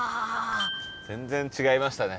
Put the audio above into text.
全然違いましたね。